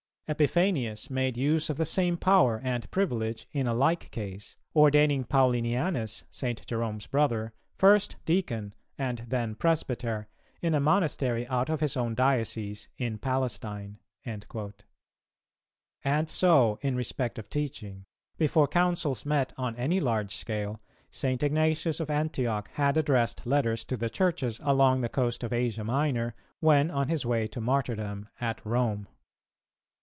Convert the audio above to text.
.. Epiphanius made use of the same power and privilege in a like case, ordaining Paulinianus, St. Jerome's brother, first deacon and then presbyter, in a monastery out of his own diocese in Palestine."[267:1] And so in respect of teaching, before Councils met on any large scale, St. Ignatius of Antioch had addressed letters to the Churches along the coast of Asia Minor, when on his way to martyrdom at Rome.